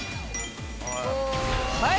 はい！